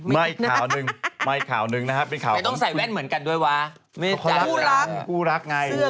มันค่านึงมันค่านึงนะครับ